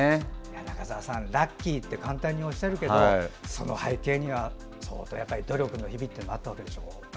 中澤さん、ラッキーって簡単におっしゃるけどその背景には相当努力の日々があったわけでしょ。